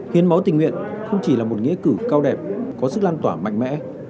hiến máu tình nguyện không chỉ là một nghĩa cử cao đẹp có sức lan tỏa mạnh mẽ